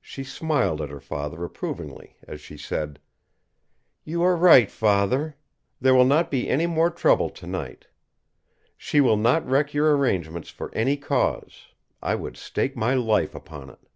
She smiled at her father approvingly as she said: "You are right, Father. There will not be any more trouble tonight. She will not wreck your arrangements for any cause. I would stake my life upon it."